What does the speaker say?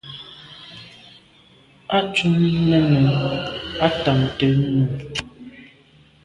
À tum nène à tamte nu.